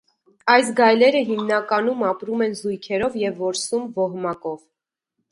Այս գայլերը հիմնականում ապրում են զույգերով և որսում ոհմակով։